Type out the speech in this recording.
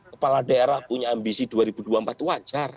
kepala daerah punya ambisi dua ribu dua puluh empat wajar